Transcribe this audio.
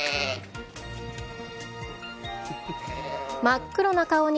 真っ黒な顔に、